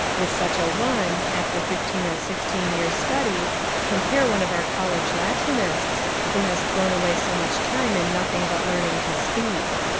With such a one, after fifteen or sixteen years' study, compare one of our college Latinists, who has thrown away so much time in nothing but learning to speak.